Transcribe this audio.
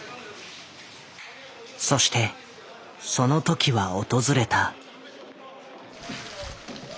そしてそのときは訪れた。